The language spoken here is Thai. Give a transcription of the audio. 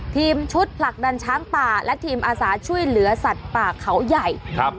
ทีมชุดผลักดันช้างป่าและทีมอาสาช่วยเหลือสัตว์ป่าเขาใหญ่ครับ